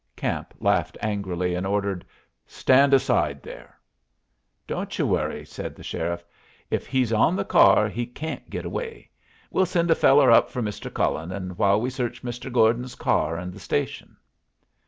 Camp laughed angrily, and ordered, "Stand aside, there." "Don't yer worry," said the sheriff. "If he's on the car, he can't git away. We'll send a feller up for Mr. Cullen, while we search Mr. Gordon's car and the station."